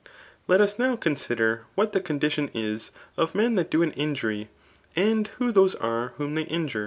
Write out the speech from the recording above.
Let ua oow consider what the oondkiaii iaiif ami that do an injury, a|id who those are whom they ifijuM.